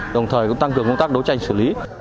đồng thời cũng tăng cường công tác đấu tranh xử lý